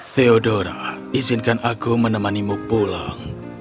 theodora izinkan aku menemanimu pulang